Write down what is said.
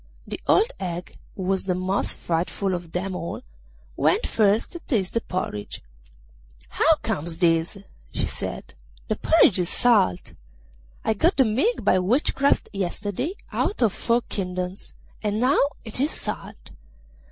The old hag, who was the most frightful of them all, went first to taste the porridge. 'How comes this?' she said; 'the porridge is salt! I got the milk by witchcraft yesterday out of four kingdoms, and now it is salt!